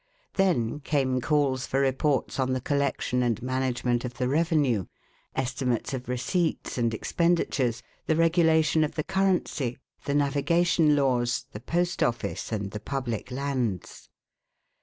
Then came calls for reports on the collection and management of the revenue; estimates of receipts and expenditures; the regulation of the currency; the navigation laws; the post office, and the public lands.